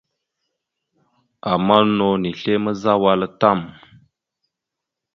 Ama no nislémazza wal a tam.